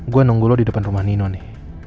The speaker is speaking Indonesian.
gua nunggu lu di depan rumah nino nih